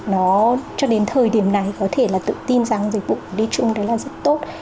nó cho đến thời điểm này có thể là tự tin rằng dịch vụ đi chung đấy là rất tốt